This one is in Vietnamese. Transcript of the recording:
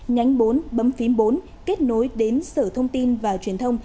nhánh bốn bấm phím bốn kết nối đến sở thông tin và truyền thông